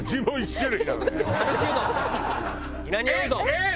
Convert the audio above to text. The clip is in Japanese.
えっ！